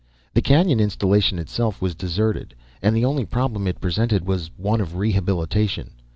The canyon installation itself was deserted, and the only problem it presented was one of rehabilitation.